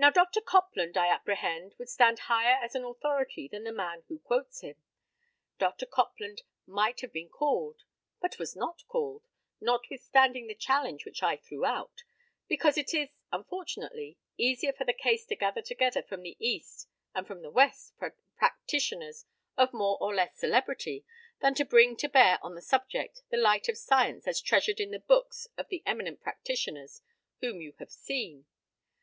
Now, Dr. Copland, I apprehend, would stand higher as an authority than the man who quotes him. Dr. Copland might have been called, but was not called, notwithstanding the challenge which I threw out, because it is, unfortunately, easier for the case to gather together from the east and from the west practitioners of more or less celebrity, than to bring to bear on the subject the light of science as treasured in the books of the eminent practitioners whom you have seen.